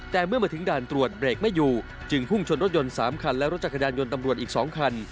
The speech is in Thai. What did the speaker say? แต่เมื่อมาถึงด่านตรวจเบรกไม่อยู่จึงพุ่งชนรถยนต์๓คันและรถจักรยานยนต์ตำรวจอีก๒คัน